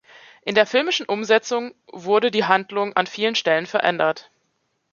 In der filmischen Umsetzung wurde die Handlung an vielen Stellen verändert.